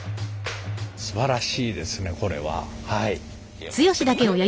すばらしいですねこれは。